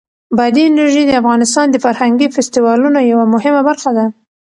بادي انرژي د افغانستان د فرهنګي فستیوالونو یوه مهمه برخه ده.